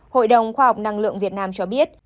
hội đồng khoa học năng lượng việt nam cho biết